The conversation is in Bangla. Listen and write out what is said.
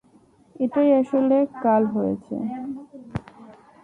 এটাই আসলে কাল হয়েছে।